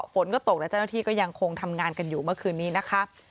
ฝนก็ตกและเจ้าหน้าที่ก็ยังคงทำงานกันอยู่เมื่อคืนนี้นะคะ